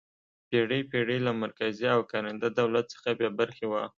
پېړۍ پېړۍ له مرکزي او کارنده دولت څخه بې برخې وه.